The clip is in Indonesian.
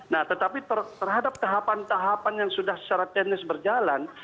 nah tetapi terhadap tahapan tahapan yang sudah secara teknis berjalan